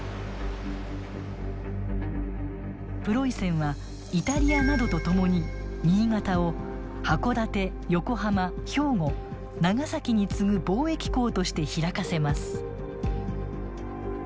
プロイセンはイタリアなどと共に新潟を箱館横浜兵庫長崎に次ぐ貿易港として開かせます。